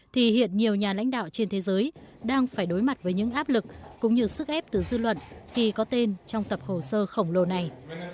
thì hiện nhiều nhà lãnh đạo trên thế giới đang phải đối mặt với những áp lực cũng như sức ép từ dư luận khi có tên trong tập hồ sơ khổng lồ này